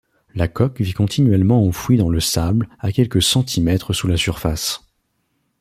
La coque vit continuellement enfouie dans le sable à quelques centimètres sous la surface.